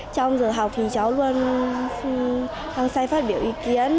trong giờ học thì cháu luôn hăng say phát biểu ý kiến